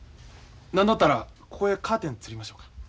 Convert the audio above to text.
何だったらここへカーテンつりましょうか。